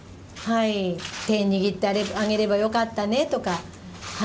手を握ってあげればよかったねとか。